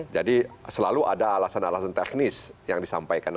jadi selalu ada alasan alasan teknis yang disampaikan